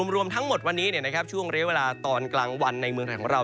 รวมทั้งหมดวันนี้ช่วงเรียกเวลาตอนกลางวันในเมืองไทยของเรา